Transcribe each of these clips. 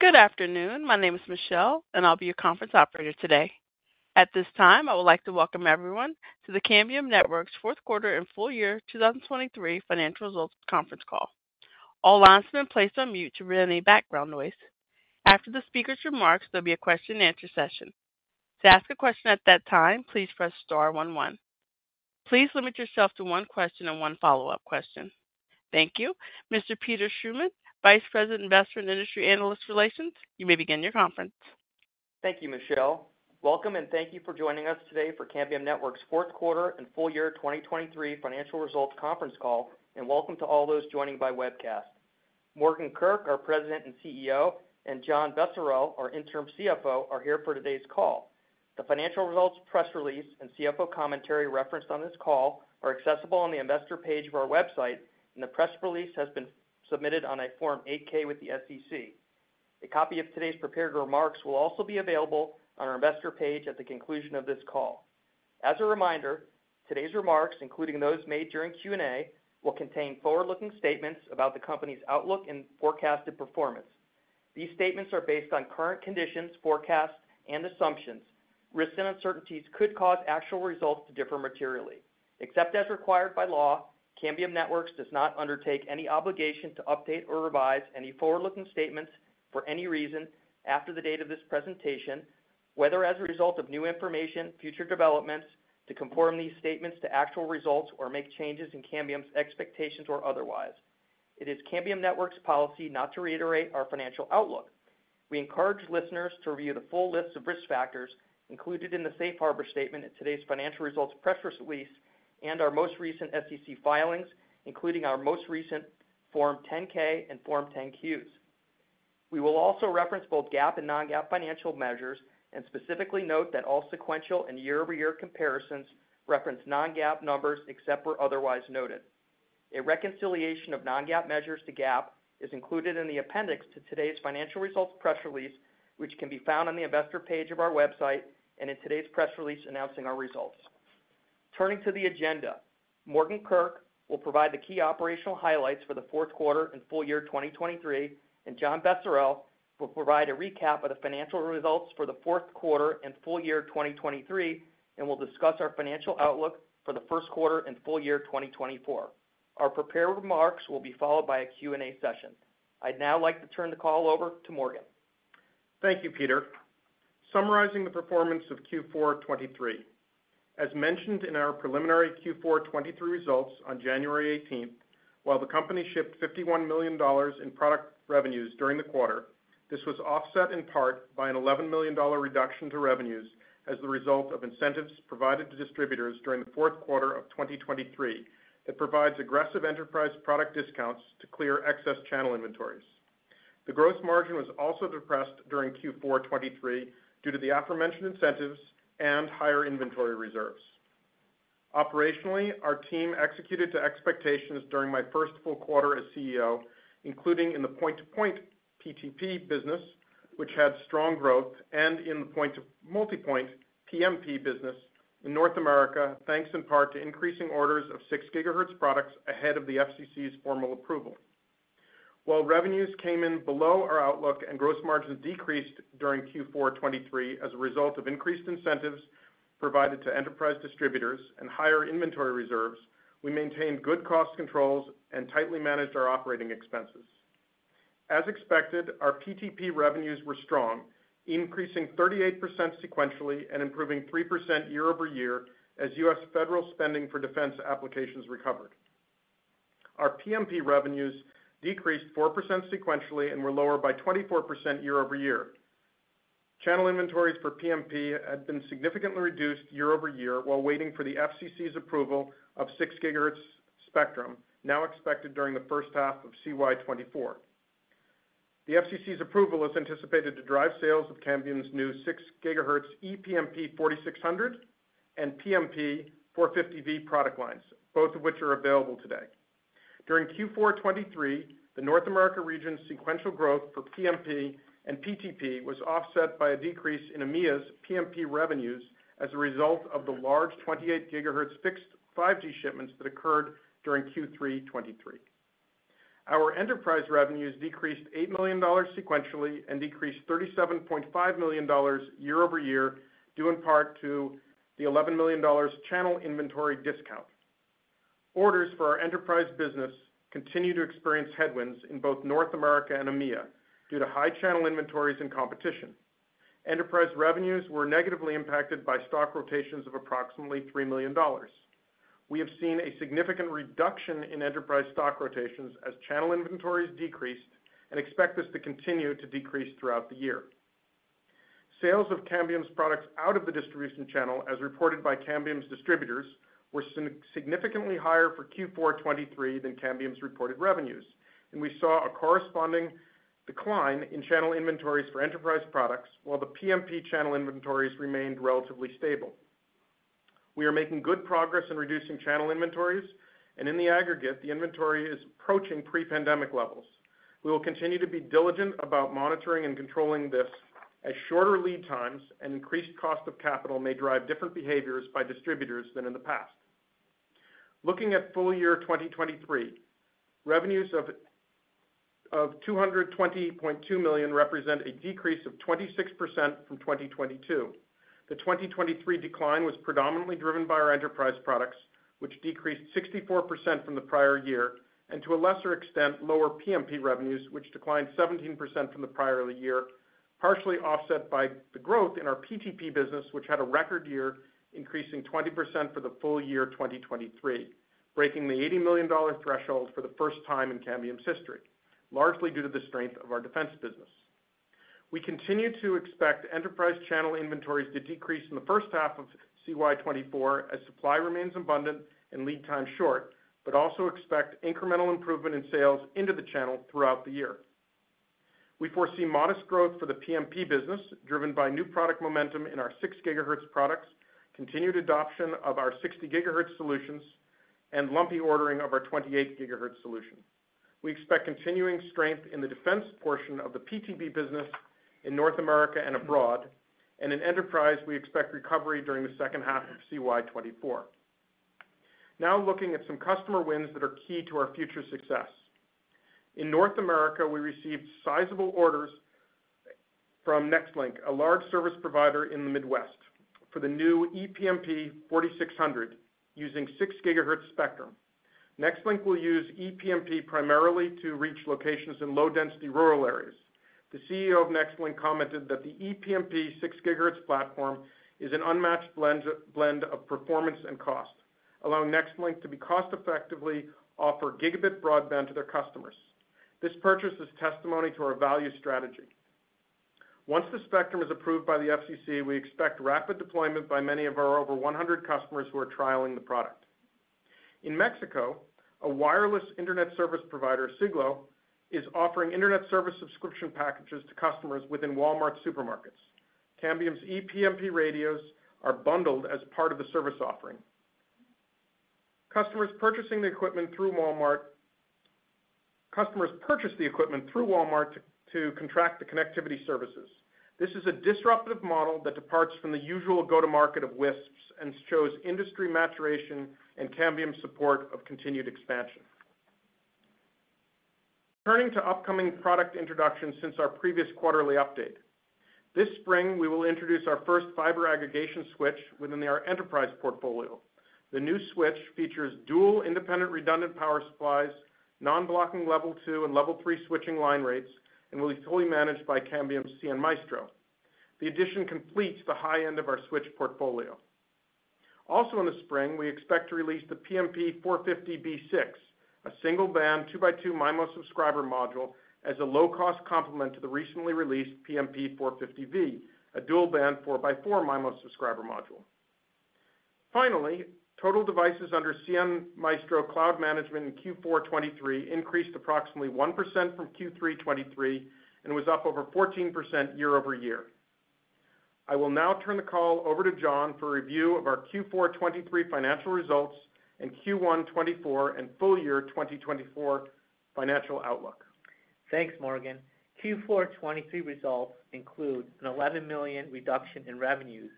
Good afternoon. My name is Michelle, and I'll be your conference operator today. At this time, I would like to welcome everyone to the Cambium Networks Q4 and Full Year 2023 Financial Results Conference Call. All lines have been placed on mute to reduce any background noise. After the speaker's remarks, there'll be a question-and-answer session. To ask a question at that time, please press star one one. Please limit yourself to one question and one follow-up question. Thank you. Mr. Peter Schuman, Vice President Investment and Industry Analyst Relations, you may begin your conference. Thank you, Michelle. Welcome, and thank you for joining us today for Cambium Networks Q4 and full year 2023 financial results conference call, and welcome to all those joining by webcast. Morgan Kurk, our President and CEO, and John Becerril, our Interim CFO, are here for today's call. The financial results press release and CFO commentary referenced on this call are accessible on the investor page of our website, and the press release has been submitted on a Form 8-K with the SEC. A copy of today's prepared remarks will also be available on our investor page at the conclusion of this call. As a reminder, today's remarks, including those made during Q&A, will contain forward-looking statements about the company's outlook and forecasted performance. These statements are based on current conditions, forecasts, and assumptions. Risks and uncertainties could cause actual results to differ materially. Except as required by law, Cambium Networks does not undertake any obligation to update or revise any forward-looking statements for any reason after the date of this presentation, whether as a result of new information, future developments, to conform these statements to actual results or make changes in Cambium's expectations or otherwise. It is Cambium Networks' policy not to reiterate our financial outlook. We encourage listeners to review the full list of risk factors included in the Safe Harbor Statement at today's financial results press release and our most recent SEC filings, including our most recent Form 10-K and Form 10-Qs. We will also reference both GAAP and non-GAAP financial measures and specifically note that all sequential and year-over-year comparisons reference non-GAAP numbers except as otherwise noted. A reconciliation of non-GAAP measures to GAAP is included in the appendix to today's financial results press release, which can be found on the investor page of our website and in today's press release announcing our results. Turning to the agenda, Morgan Kurk will provide the key operational highlights for the Q4 and full year 2023, and John Becerril will provide a recap of the financial results for the Q4 and full year 2023, and will discuss our financial outlook for the Q1 and full year 2024. Our prepared remarks will be followed by a Q&A session. I'd now like to turn the call over to Morgan. Thank you, Peter. Summarizing the performance of Q4 2023: As mentioned in our preliminary Q4 2023 results on January 18, while the company shipped $51 million in product revenues during the quarter, this was offset in part by an $11 million reduction to revenues as the result of incentives provided to distributors during the Q4 of 2023 that provides aggressive enterprise product discounts to clear excess channel inventories. The gross margin was also depressed during Q4 2023 due to the aforementioned incentives and higher inventory reserves. Operationally, our team executed to expectations during my first full quarter as CEO, including in the point-to-point PTP business, which had strong growth, and in the multi-point PMP business in North America, thanks in part to increasing orders of 6 GHz products ahead of the FCC's formal approval. While revenues came in below our outlook and gross margins decreased during Q4 2023 as a result of increased incentives provided to enterprise distributors and higher inventory reserves, we maintained good cost controls and tightly managed our operating expenses. As expected, our PTP revenues were strong, increasing 38% sequentially and improving 3% year-over-year as U.S. federal spending for defense applications recovered. Our PMP revenues decreased 4% sequentially and were lower by 24% year-over-year. Channel inventories for PMP had been significantly reduced year-over-year while waiting for the FCC's approval of 6 GHz spectrum, now expected during the first half of CY 2024. The FCC's approval is anticipated to drive sales of Cambium's new 6 GHz ePMP 4600 and PMP 450v product lines, both of which are available today. During Q4 2023, the North America region's sequential growth for PMP and PTP was offset by a decrease in EMEA's PMP revenues as a result of the large 28 GHz fixed 5G shipments that occurred during Q3 2023. Our enterprise revenues decreased $8 million sequentially and decreased $37.5 million year-over-year due in part to the $11 million channel inventory discount. Orders for our enterprise business continue to experience headwinds in both North America and EMEA due to high channel inventories and competition. Enterprise revenues were negatively impacted by stock rotations of approximately $3 million. We have seen a significant reduction in enterprise stock rotations as channel inventories decreased and expect this to continue to decrease throughout the year. Sales of Cambium's products out of the distribution channel, as reported by Cambium's distributors, were significantly higher for Q4 2023 than Cambium's reported revenues, and we saw a corresponding decline in channel inventories for enterprise products while the PMP channel inventories remained relatively stable. We are making good progress in reducing channel inventories, and in the aggregate, the inventory is approaching pre-pandemic levels. We will continue to be diligent about monitoring and controlling this as shorter lead times and increased cost of capital may drive different behaviors by distributors than in the past. Looking at full year 2023, revenues of $220.2 million represent a decrease of 26% from 2022. The 2023 decline was predominantly driven by our enterprise products, which decreased 64% from the prior year and, to a lesser extent, lower PMP revenues, which declined 17% from the prior year, partially offset by the growth in our PTP business, which had a record year increasing 20% for the full year 2023, breaking the $80 million threshold for the first time in Cambium's history, largely due to the strength of our defense business. We continue to expect enterprise channel inventories to decrease in the first half of CY 2024 as supply remains abundant and lead time short, but also expect incremental improvement in sales into the channel throughout the year. We foresee modest growth for the PMP business, driven by new product momentum in our 6 GHz products, continued adoption of our 60 GHz solutions, and lumpy ordering of our 28 GHz solution. We expect continuing strength in the defense portion of the PTP business in North America and abroad, and in enterprise, we expect recovery during the second half of CY 2024. Now looking at some customer wins that are key to our future success: In North America, we received sizable orders from Nextlink, a large service provider in the Midwest, for the new ePMP 4600 using 6 GHz spectrum. Nextlink will use ePMP primarily to reach locations in low-density rural areas. The CEO of Nextlink commented that the ePMP 6 GHz platform is an unmatched blend of performance and cost, allowing Nextlink to be cost-effectively offer gigabit broadband to their customers. This purchase is testimony to our value strategy. Once the spectrum is approved by the FCC, we expect rapid deployment by many of our over 100 customers who are trialing the product. In Mexico, a wireless internet service provider, Siglo, is offering internet service subscription packages to customers within Walmart supermarkets. Cambium's ePMP radios are bundled as part of the service offering. Customers purchasing the equipment through Walmart customers purchase the equipment through Walmart to contract the connectivity services. This is a disruptive model that departs from the usual go-to-market of WISPs and shows industry maturation and Cambium's support of continued expansion. Turning to upcoming product introductions since our previous quarterly update: This spring, we will introduce our first fiber aggregation switch within our enterprise portfolio. The new switch features dual independent redundant power supplies, non-blocking Level 2 and Level 3 switching line rates, and will be fully managed by Cambium cnMaestro. The addition completes the high end of our switch portfolio. Also in the spring, we expect to release the PMP 450b6, a single-band 2x2 MIMO subscriber module, as a low-cost complement to the recently released PMP 450v, a dual-band 4x4 MIMO subscriber module. Finally, total devices under cnMaestro cloud management in Q4 2023 increased approximately 1% from Q3 2023 and was up over 14% year-over-year. I will now turn the call over to John for review of our Q4 2023 financial results and Q1 2024 and full year 2024 financial outlook. Thanks, Morgan. Q4 2023 results include an $11 million reduction in revenues,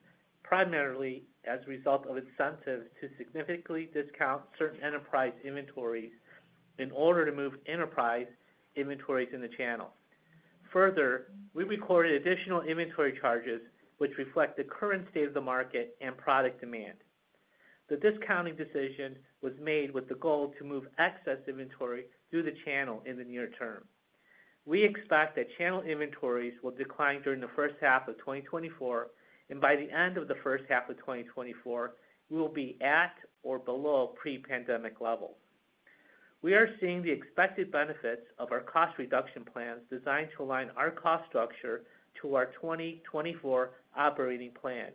primarily as a result of incentives to significantly discount certain enterprise inventories in order to move enterprise inventories in the channel. Further, we recorded additional inventory charges, which reflect the current state of the market and product demand. The discounting decision was made with the goal to move excess inventory through the channel in the near term. We expect that channel inventories will decline during the first half of 2024, and by the end of the first half of 2024, we will be at or below pre-pandemic levels. We are seeing the expected benefits of our cost reduction plans designed to align our cost structure to our 2024 operating plan.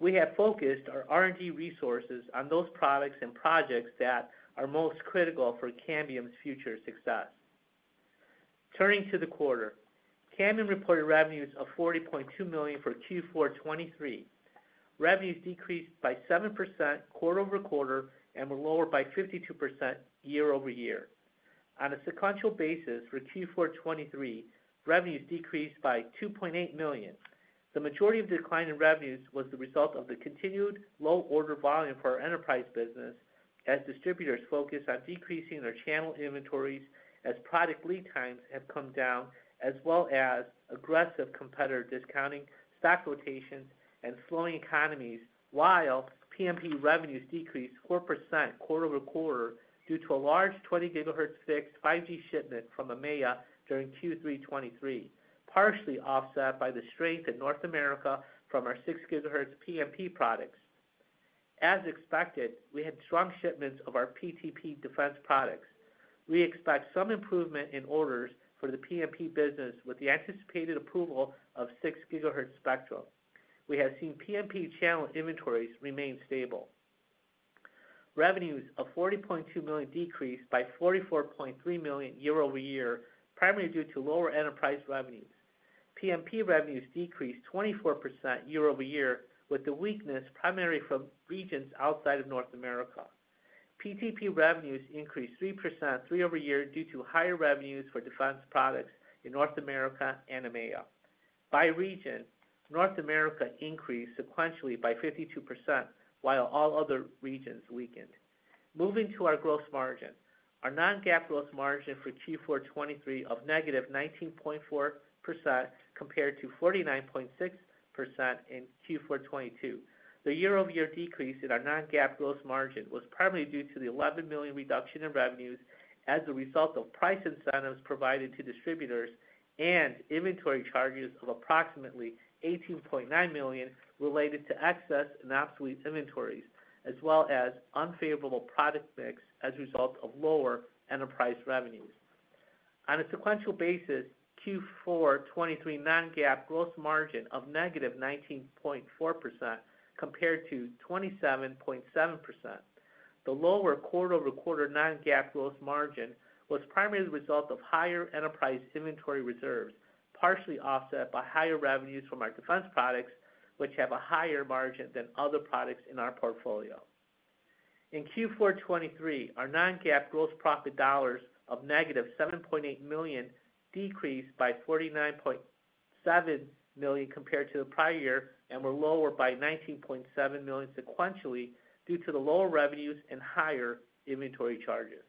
We have focused our R&D resources on those products and projects that are most critical for Cambium's future success. Turning to the quarter: Cambium reported revenues of $40.2 million for Q4 2023. Revenues decreased by 7% quarter-over-quarter and were lower by 52% year-over-year. On a sequential basis for Q4 2023, revenues decreased by $2.8 million. The majority of the decline in revenues was the result of the continued low-order volume for our enterprise business as distributors focused on decreasing their channel inventories as product lead times had come down, as well as aggressive competitor discounting, stock rotations, and slowing economies while PMP revenues decreased 4% quarter-over-quarter due to a large 28 GHz fixed 5G shipment from EMEA during Q3 2023, partially offset by the strength in North America from our 6 GHz PMP products. As expected, we had strong shipments of our PTP defense products. We expect some improvement in orders for the PMP business with the anticipated approval of 6 GHz spectrum. We have seen PMP channel inventories remain stable. Revenues of $40.2 million decreased by $44.3 million year over year, primarily due to lower enterprise revenues. PMP revenues decreased 24% year over year, with the weakness primarily from regions outside of North America. PTP revenues increased 3% year over year due to higher revenues for defense products in North America and EMEA. By region, North America increased sequentially by 52% while all other regions weakened. Moving to our gross margin: Our non-GAAP gross margin for Q4 2023 of -19.4% compared to 49.6% in Q4 2022. The year-over-year decrease in our non-GAAP gross margin was primarily due to the $11 million reduction in revenues as a result of price incentives provided to distributors and inventory charges of approximately $18.9 million related to excess and obsolete inventories, as well as unfavorable product mix as a result of lower enterprise revenues. On a sequential basis, Q4 2023 non-GAAP gross margin of -19.4% compared to 27.7%. The lower quarter-over-quarter non-GAAP gross margin was primarily the result of higher enterprise inventory reserves, partially offset by higher revenues from our defense products, which have a higher margin than other products in our portfolio. In Q4 2023, our non-GAAP gross profit dollars of -$7.8 million decreased by $49.7 million compared to the prior year and were lower by $19.7 million sequentially due to the lower revenues and higher inventory charges.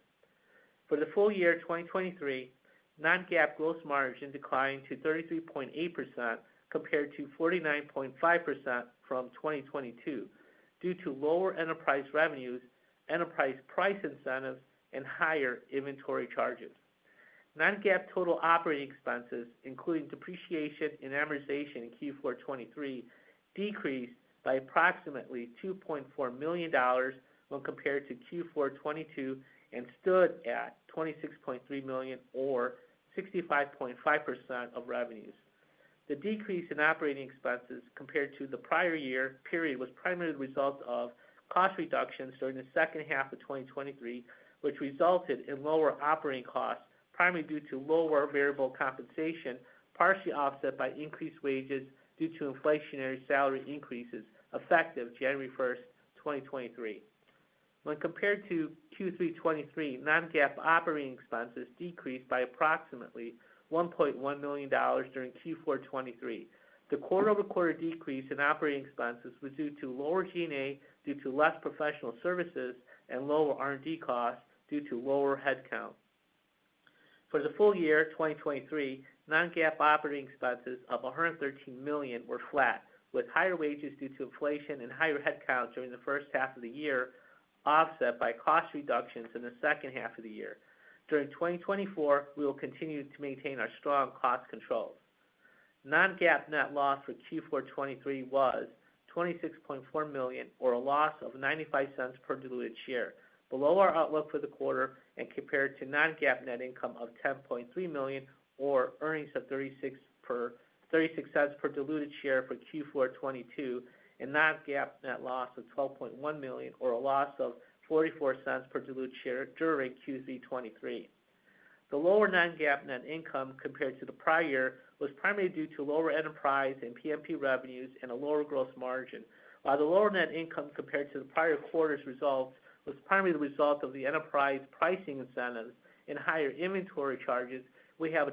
For the full year 2023, non-GAAP gross margin declined to 33.8% compared to 49.5% from 2022 due to lower enterprise revenues, enterprise price incentives, and higher inventory charges. Non-GAAP total operating expenses, including depreciation and amortization in Q4 2023, decreased by approximately $2.4 million when compared to Q4 2022 and stood at $26.3 million or 65.5% of revenues. The decrease in operating expenses compared to the prior year period was primarily the result of cost reductions during the second half of 2023, which resulted in lower operating costs, primarily due to lower variable compensation, partially offset by increased wages due to inflationary salary increases effective January 1st, 2023. When compared to Q3 2023, non-GAAP operating expenses decreased by approximately $1.1 million during Q4 2023. The quarter-over-quarter decrease in operating expenses was due to lower G&A due to less professional services and lower R&D costs due to lower headcount. For the full year 2023, non-GAAP operating expenses of $113 million were flat, with higher wages due to inflation and higher headcount during the first half of the year, offset by cost reductions in the second half of the year. During 2024, we will continue to maintain our strong cost controls. Non-GAAP net loss for Q4 2023 was $26.4 million or a loss of $0.95 per diluted share, below our outlook for the quarter and compared to non-GAAP net income of $10.3 million or earnings of $0.36 per diluted share for Q4 2022 and non-GAAP net loss of $12.1 million or a loss of $0.44 per diluted share during Q3 2023. The lower non-GAAP net income compared to the prior year was primarily due to lower enterprise and PMP revenues and a lower gross margin. While the lower net income compared to the prior quarter's results was primarily the result of the enterprise pricing incentives and higher inventory charges, we had a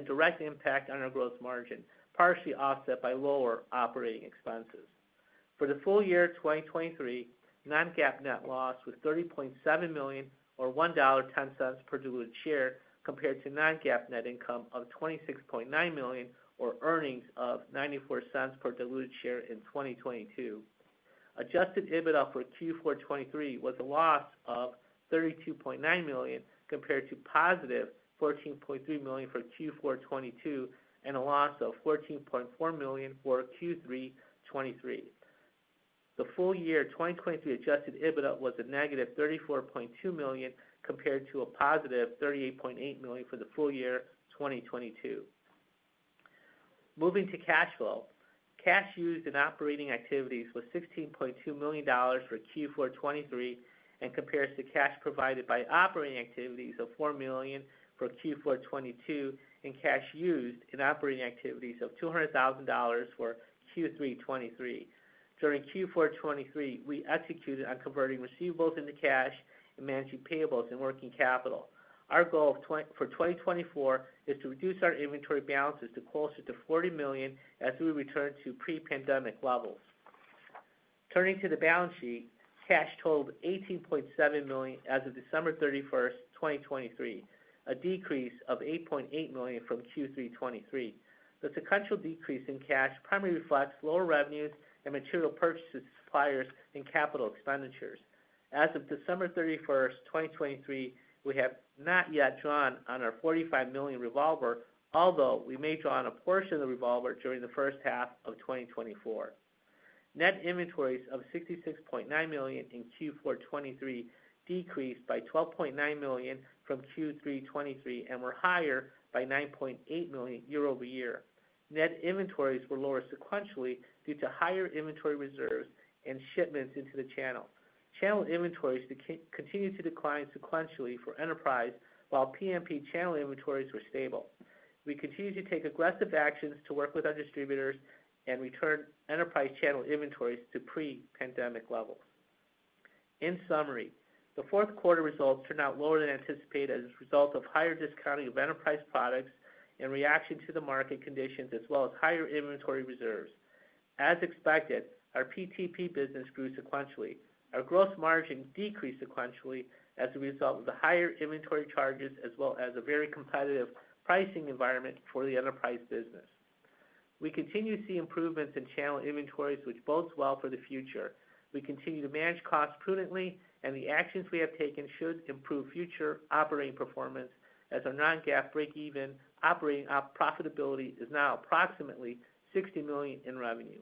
direct impact on our gross margin, partially offset by lower operating expenses. For the full year 2023, non-GAAP net loss was $30.7 million or $1.10 per diluted share compared to non-GAAP net income of $26.9 million or earnings of $0.94 per diluted share in 2022. Adjusted EBITDA for Q4 '23 was a loss of $32.9 million compared to positive $14.3 million for Q4 '22 and a loss of $14.4 million for Q3 '23. The full year 2023 adjusted EBITDA was a -$34.2 million compared to a positive $38.8 million for the full year 2022. Moving to cash flow: Cash used in operating activities was $16.2 million for Q4 '23 and compares to cash provided by operating activities of $4 million for Q4 '22 and cash used in operating activities of $200,000 for Q3 '23. During Q4 '23, we executed on converting receivables into cash and managing payables in working capital. Our goal for 2024 is to reduce our inventory balances to closer to $40 million as we return to pre-pandemic levels. Turning to the balance sheet, cash totaled $18.7 million as of December 31st, 2023, a decrease of $8.8 million from Q3 2023. The sequential decrease in cash primarily reflects lower revenues and material purchases to suppliers and capital expenditures. As of December 31st, 2023, we have not yet drawn on our $45 million revolver, although we may draw on a portion of the revolver during the first half of 2024. Net inventories of $66.9 million in Q4 2023 decreased by $12.9 million from Q3 2023 and were higher by $9.8 million year over year. Net inventories were lower sequentially due to higher inventory reserves and shipments into the channel. Channel inventories continued to decline sequentially for enterprise while PMP channel inventories were stable. We continue to take aggressive actions to work with our distributors and return enterprise channel inventories to pre-pandemic levels. In summary, the Q4 results turned out lower than anticipated as a result of higher discounting of enterprise products and reaction to the market conditions, as well as higher inventory reserves. As expected, our PTP business grew sequentially. Our gross margin decreased sequentially as a result of the higher inventory charges, as well as a very competitive pricing environment for the enterprise business. We continue to see improvements in channel inventories, which bodes well for the future. We continue to manage costs prudently, and the actions we have taken should improve future operating performance as our non-GAAP break-even operating profitability is now approximately $60 million in revenue.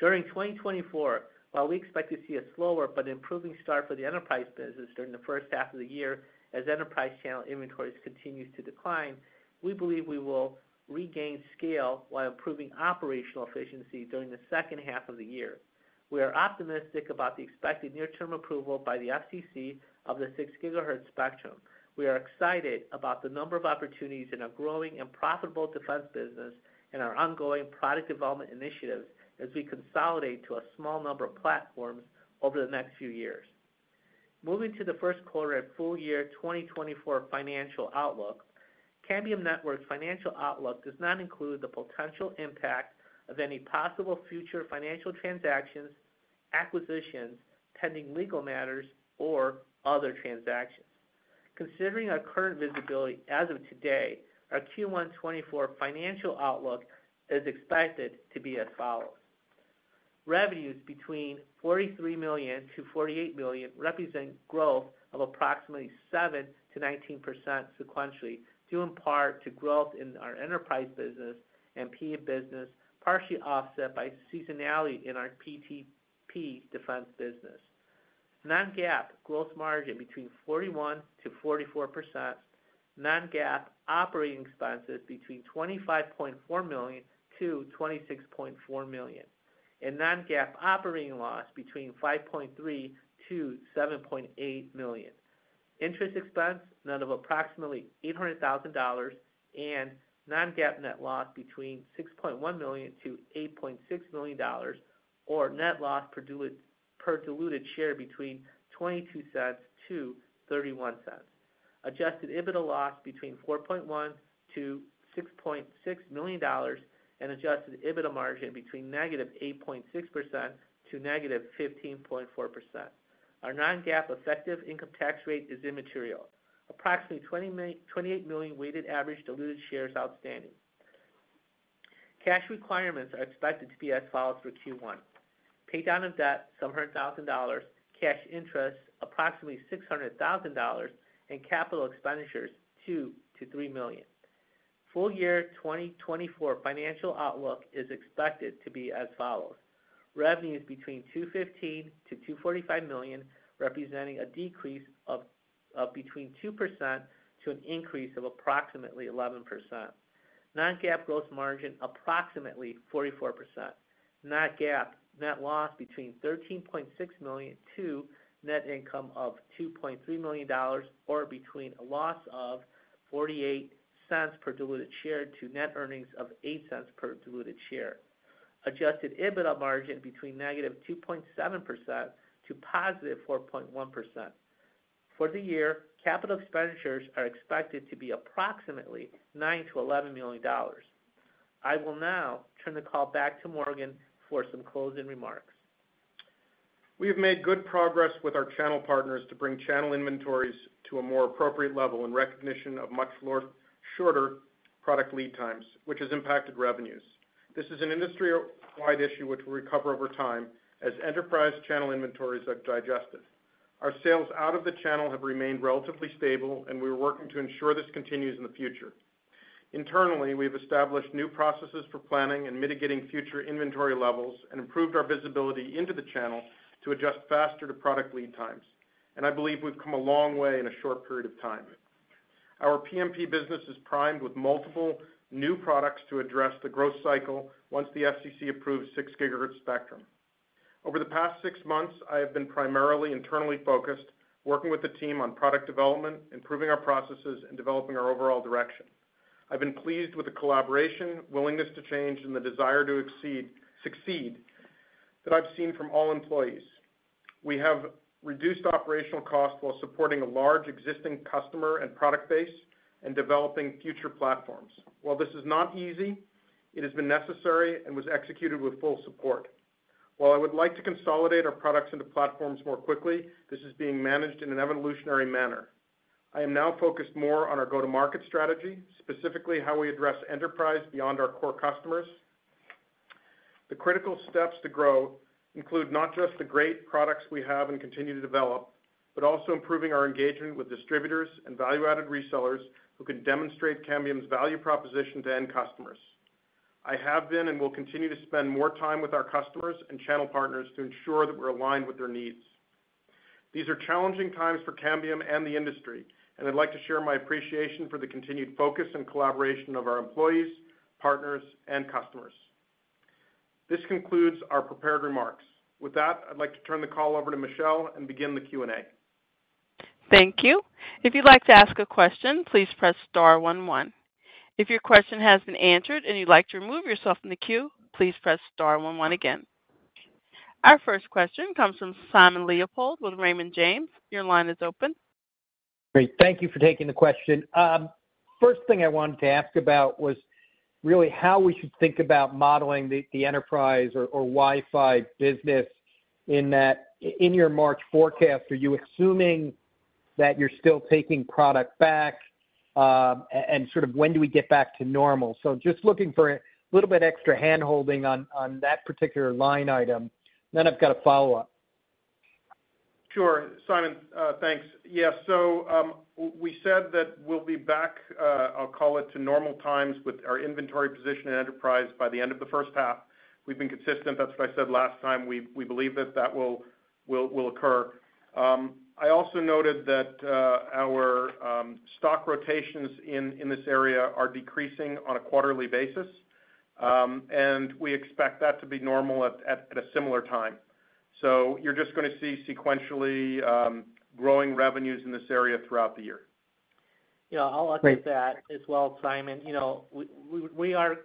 During 2024, while we expect to see a slower but improving start for the enterprise business during the first half of the year as enterprise channel inventories continue to decline, we believe we will regain scale while improving operational efficiency during the second half of the year. We are optimistic about the expected near-term approval by the FCC of the 6 GHz spectrum. We are excited about the number of opportunities in our growing and profitable defense business and our ongoing product development initiatives as we consolidate to a small number of platforms over the next few years. Moving to the Q1 and full year 2024 financial outlook: Cambium Networks financial outlook does not include the potential impact of any possible future financial transactions, acquisitions, pending legal matters, or other transactions. Considering our current visibility as of today, our Q1 2024 financial outlook is expected to be as follows. Revenues between $43 million-$48 million represent growth of approximately 7%-19% sequentially, due in part to growth in our enterprise business and PMP business, partially offset by seasonality in our PTP defense business. Non-GAAP gross margin between 41%-44%. Non-GAAP operating expenses between $25.4 million-$26.4 million. Non-GAAP operating loss between $5.3 million-$7.8 million. Interest expense of approximately $800,000 and non-GAAP net loss between $6.1 million-$8.6 million or net loss per diluted share between $0.22-$0.31. Adjusted EBITDA loss between $4.1 million-$6.6 million and adjusted EBITDA margin between -8.6%--15.4%. Our non-GAAP effective income tax rate is immaterial. Approximately 28 million weighted average diluted shares outstanding. Cash requirements are expected to be as follows for Q1: Paydown of debt $700,000, cash interest approximately $600,000, and capital expenditures $2 million-$3 million. Full year 2024 financial outlook is expected to be as follows: Revenues between $215 million-$245 million, representing a decrease of between 2% to an increase of approximately 11%. Non-GAAP gross margin approximately 44%. Net GAAP net loss between $13.6 million to net income of $2.3 million or between a loss of $0.48 per diluted share to net earnings of $0.08 per diluted share. Adjusted EBITDA margin between -2.7% to positive 4.1%. For the year, capital expenditures are expected to be approximately $9 million-$11 million. I will now turn the call back to Morgan for some closing remarks. We have made good progress with our channel partners to bring channel inventories to a more appropriate level in recognition of much shorter product lead times, which has impacted revenues. This is an industry-wide issue which will recover over time as enterprise channel inventories are digested. Our sales out of the channel have remained relatively stable, and we are working to ensure this continues in the future. Internally, we have established new processes for planning and mitigating future inventory levels and improved our visibility into the channel to adjust faster to product lead times. I believe we've come a long way in a short period of time. Our PMP business is primed with multiple new products to address the growth cycle once the FCC approves 6 GHz spectrum. Over the past six months, I have been primarily internally focused, working with the team on product development, improving our processes, and developing our overall direction. I've been pleased with the collaboration, willingness to change, and the desire to succeed that I've seen from all employees. We have reduced operational costs while supporting a large existing customer and product base and developing future platforms. While this is not easy, it has been necessary and was executed with full support. While I would like to consolidate our products into platforms more quickly, this is being managed in an evolutionary manner. I am now focused more on our go-to-market strategy, specifically how we address enterprise beyond our core customers. The critical steps to grow include not just the great products we have and continue to develop, but also improving our engagement with distributors and value-added resellers who can demonstrate Cambium's value proposition to end customers. I have been and will continue to spend more time with our customers and channel partners to ensure that we're aligned with their needs. These are challenging times for Cambium and the industry, and I'd like to share my appreciation for the continued focus and collaboration of our employees, partners, and customers. This concludes our prepared remarks. With that, I'd like to turn the call over to Michelle and begin the Q&A. Thank you. If you'd like to ask a question, please press star one one. If your question has been answered and you'd like to remove yourself from the queue, please press star one one again. Our first question comes from Simon Leopold with Raymond James. Your line is open. Great. Thank you for taking the question. First thing I wanted to ask about was really how we should think about modeling the enterprise or Wi-Fi business in your March forecast. Are you assuming that you're still taking product back, and sort of when do we get back to normal? So just looking for a little bit extra handholding on that particular line item, then I've got a follow-up. Sure, Simon. Thanks. Yes. So we said that we'll be back, I'll call it, to normal times with our inventory position in enterprise by the end of the first half. We've been consistent. That's what I said last time. We believe that that will occur. I also noted that our stock rotations in this area are decreasing on a quarterly basis, and we expect that to be normal at a similar time. So you're just going to see sequentially growing revenues in this area throughout the year. Yeah, I'll echo that as well, Simon. We are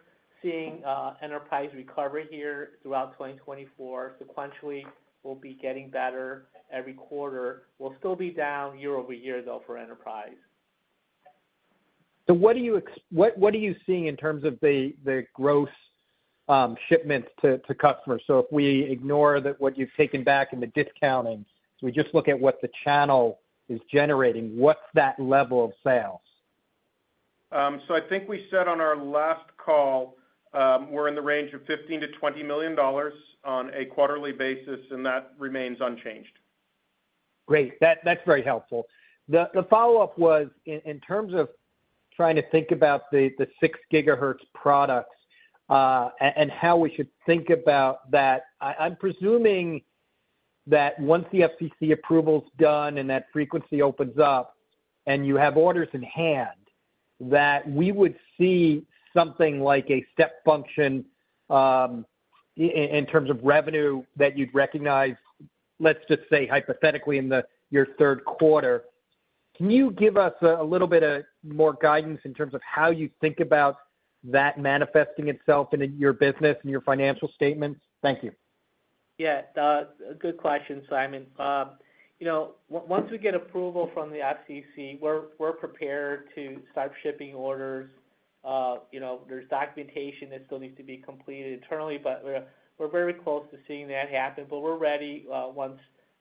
seeing enterprise recovery here throughout 2024. Sequentially, we'll be getting better every quarter. We'll still be down year-over-year, though, for enterprise. So what are you seeing in terms of the gross shipments to customers? So if we ignore what you've taken back and the discounting, we just look at what the channel is generating, what's that level of sales? So I think we said on our last call we're in the range of $15 million-$20 million on a quarterly basis, and that remains unchanged. Great. That's very helpful. The follow-up was in terms of trying to think about the 6 GHz products and how we should think about that. I'm presuming that once the FCC approval's done and that frequency opens up and you have orders in hand, that we would see something like a step function in terms of revenue that you'd recognize, let's just say hypothetically, in your Q3. Can you give us a little bit more guidance in terms of how you think about that manifesting itself in your business and your financial statements? Thank you. Yeah. Good question, Simon. Once we get approval from the FCC, we're prepared to start shipping orders. There's documentation that still needs to be completed internally, but we're very close to seeing that happen. But we're ready once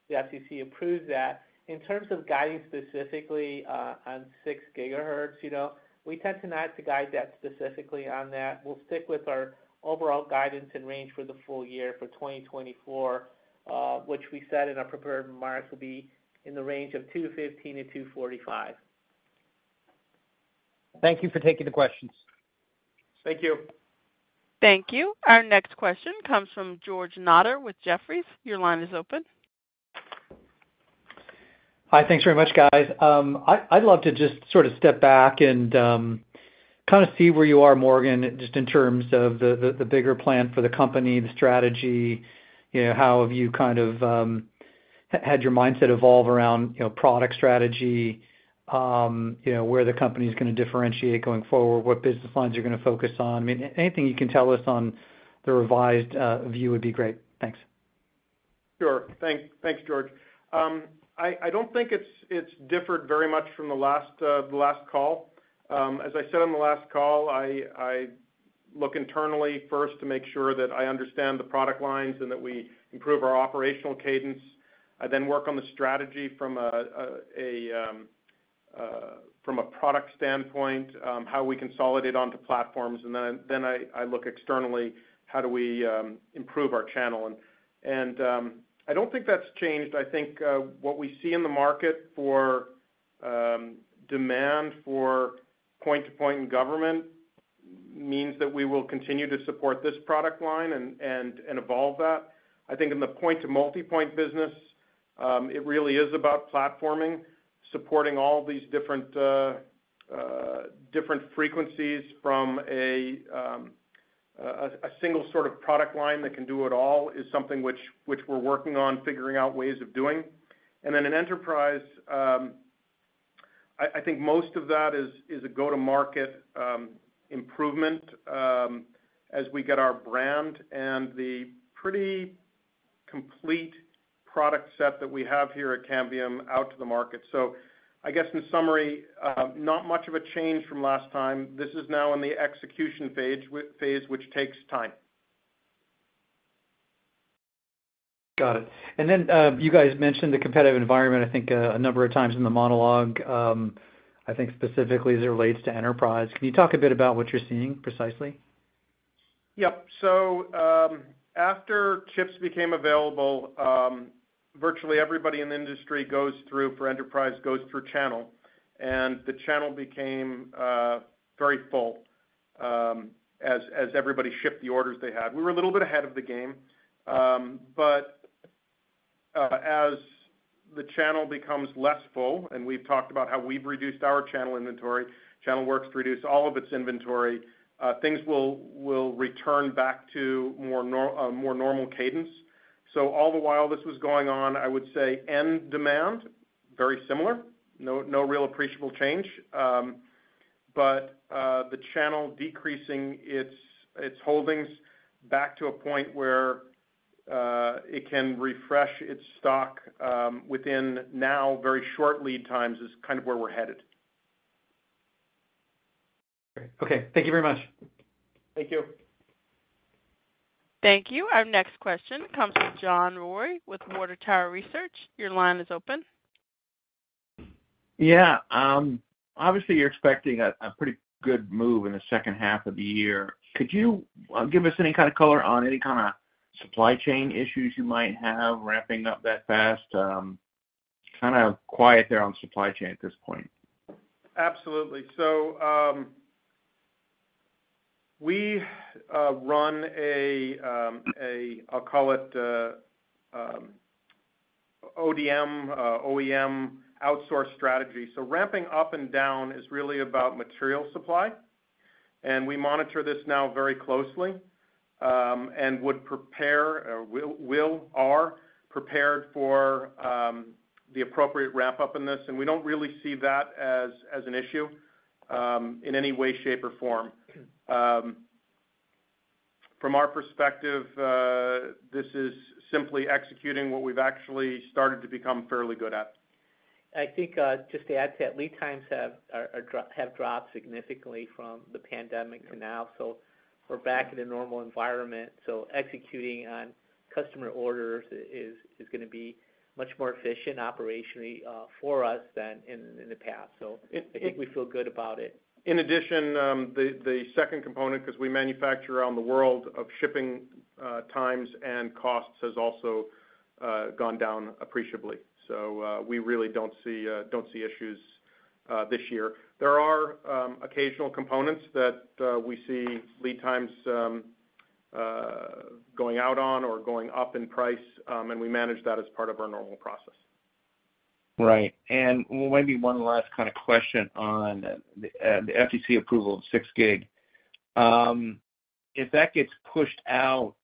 the FCC approves that. In terms of guiding specifically on 6 GHz, we tend to not guide that specifically on that. We'll stick with our overall guidance and range for the full year for 2024, which we said in our prepared remarks will be in the range of $215 million-$245 million. Thank you for taking the questions. Thank you. Thank you. Our next question comes from George Notter with Jefferies. Your line is open. Hi. Thanks very much, guys. I'd love to just sort of step back and kind of see where you are, Morgan, just in terms of the bigger plan for the company, the strategy. How have you kind of had your mindset evolve around product strategy, where the company's going to differentiate going forward, what business lines you're going to focus on? I mean, anything you can tell us on the revised view would be great. Thanks. Sure. Thanks, George. I don't think it's differed very much from the last call. As I said on the last call, I look internally first to make sure that I understand the product lines and that we improve our operational cadence. I then work on the strategy from a product standpoint, how we consolidate onto platforms, and then I look externally, how do we improve our channel. And I don't think that's changed. I think what we see in the market for demand for point-to-point in government means that we will continue to support this product line and evolve that. I think in the point-to-multipoint business, it really is about platforming, supporting all these different frequencies from a single sort of product line that can do it all is something which we're working on figuring out ways of doing. And then in enterprise, I think most of that is a go-to-market improvement as we get our brand and the pretty complete product set that we have here at Cambium out to the market. So I guess, in summary, not much of a change from last time. This is now in the execution phase, which takes time. Got it. And then you guys mentioned the competitive environment, I think, a number of times in the monologue. I think specifically as it relates to enterprise. Can you talk a bit about what you're seeing precisely? Yep. So after chips became available, virtually everybody in the industry goes through for enterprise goes through channel, and the channel became very full as everybody shipped the orders they had. We were a little bit ahead of the game. But as the channel becomes less full, and we've talked about how we've reduced our channel inventory, ChannelWorks reduced all of its inventory, things will return back to more normal cadence. So all the while this was going on, I would say end demand, very similar, no real appreciable change. But the channel decreasing its holdings back to a point where it can refresh its stock within now very short lead times is kind of where we're headed. Great. Okay. Thank you very much. Thank you. Thank you. Our next question comes from John Roy with Water Tower Research. Your line is open. Yeah. Obviously, you're expecting a pretty good move in the second half of the year. Could you give us any kind of color on any kind of supply chain issues you might have ramping up that fast? Kind of quiet there on supply chain at this point. Absolutely. So we run a, I'll call it, OEM outsource strategy. So ramping up and down is really about material supply. And we monitor this now very closely and would prepare, will, are prepared for the appropriate ramp-up in this. And we don't really see that as an issue in any way, shape, or form. From our perspective, this is simply executing what we've actually started to become fairly good at. I think just to add to that, lead times have dropped significantly from the pandemic to now. So we're back in a normal environment. So executing on customer orders is going to be much more efficient operationally for us than in the past. So I think we feel good about it. In addition, the second component, because we manufacture around the world, of shipping times and costs has also gone down appreciably. So we really don't see issues this year. There are occasional components that we see lead times going out on or going up in price, and we manage that as part of our normal process. Right. And maybe one last kind of question on the FCC approval of 6 GHz. If that gets pushed out,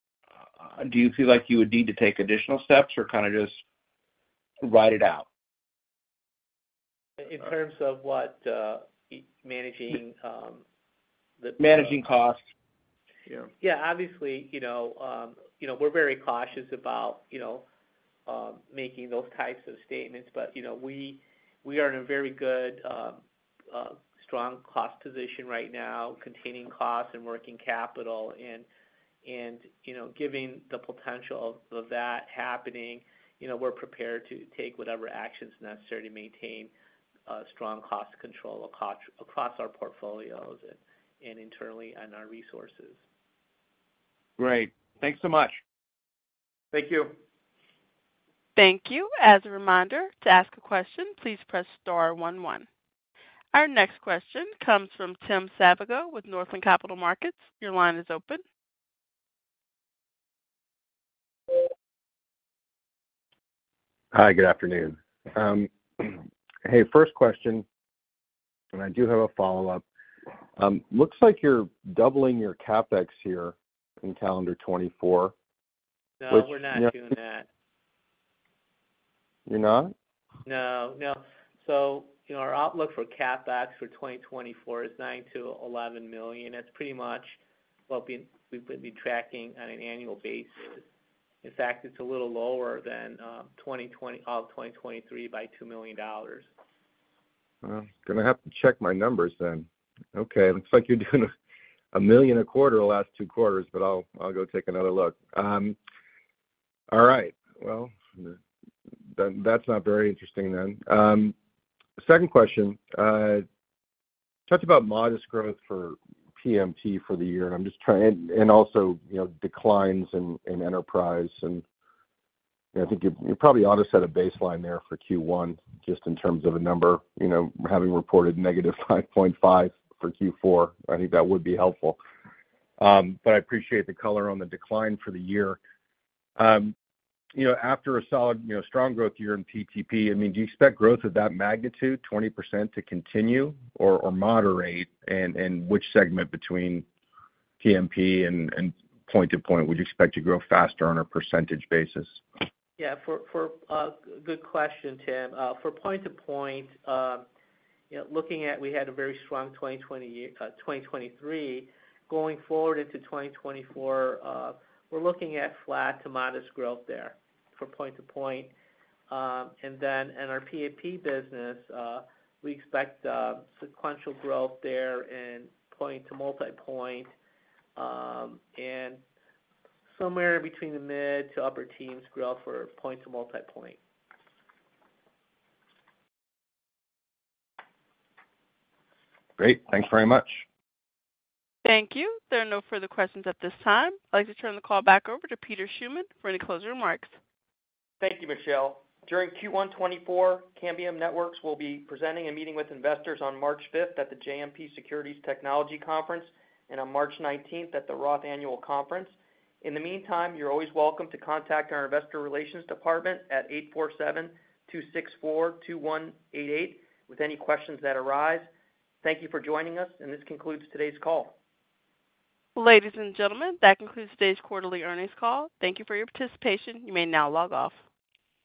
do you feel like you would need to take additional steps or kind of just ride it out? In terms of what? Managing the cost? Managing costs. Yeah. Yeah. Obviously, we're very cautious about making those types of statements, but we are in a very good, strong cost position right now, containing costs and working capital. And given the potential of that happening, we're prepared to take whatever action's necessary to maintain strong cost control across our portfolios and internally on our resources. Great. Thanks so much. Thank you. Thank you. As a reminder, to ask a question, please press star one one. Our next question comes from Tim Savageaux with Northland Capital Markets. Your line is open. Hi. Good afternoon. Hey, first question, and I do have a follow-up. Looks like you're doubling your CapEx here in calendar 2024, which. No, we're not doing that. You're not? No, no. So our outlook for CapEx for 2024 is $9 million-$11 million. That's pretty much what we've been tracking on an annual basis. In fact, it's a little lower than all of 2023 by $2 million. Wow. Going to have to check my numbers then. Okay. Looks like you're doing $1 million a quarter the last two quarters, but I'll go take another look. All right. Well, that's not very interesting then. Second question, talked about modest growth for PMP for the year, and also declines in enterprise. I think you're probably on a set of baseline there for Q1 just in terms of a number, having reported -5.5% for Q4. I think that would be helpful. But I appreciate the color on the decline for the year. After a strong growth year in PTP, I mean, do you expect growth of that magnitude, 20%, to continue or moderate? And which segment between PMP and point-to-point would you expect to grow faster on a percentage basis? Yeah. Good question, Tim. For point-to-point, looking at we had a very strong 2023. Going forward into 2024, we're looking at flat to modest growth there for point-to-point. And then in our PMP business, we expect sequential growth there in point-to-multipoint and somewhere between the mid- to upper-teens growth for point-to-multipoint. Great. Thanks very much. Thank you. There are no further questions at this time. I'd like to turn the call back over to Peter Schuman for any closing remarks. Thank you, Michelle. During Q1 2024, Cambium Networks will be presenting and meeting with investors on March 5th at the JMP Securities Technology Conference and on March 19th at the Roth Annual Conference. In the meantime, you're always welcome to contact our investor relations department at 847-264-2188 with any questions that arise. Thank you for joining us, and this concludes today's call. Ladies and gentlemen, that concludes today's quarterly earnings call. Thank you for your participation. You may now log off.